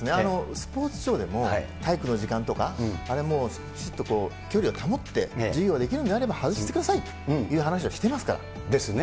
スポーツ庁でも、体育の時間とか、あれはもう、きちっと距離を保って授業ができるのであれば、外してくださいとですね。